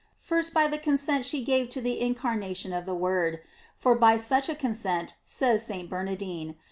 First, by the consent she gave to the incarnation of the Word; for by such a consent, says St. Bernard in e?